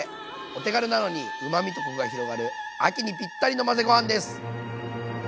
お手軽なのにうまみとコクが広がる秋にぴったりの混ぜご飯です。